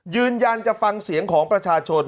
ยืนยันจะฟังเสียงของประชาชน